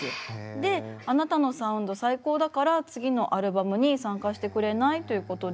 で「あなたのサウンド最高だから次のアルバムに参加してくれない？」ということで。